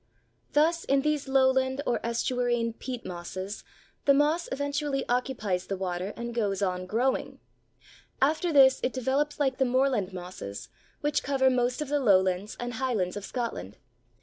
Thus in these lowland or estuarine peat mosses the moss eventually occupies the water, and goes on growing. After this it develops like the moorland mosses which cover most of the Lowlands and Highlands of Scotland.